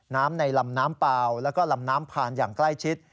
น้ำในลำน้ำเปล่าแล้วก็ลำน้ำผ่านอย่างใกล้ชิด